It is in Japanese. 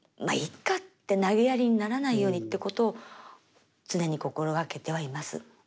「まっいっか」ってなげやりにならないようにってことを常に心がけてはいます。